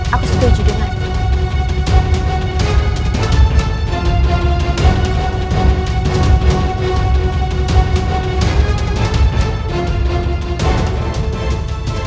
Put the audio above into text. aku setuju denganmu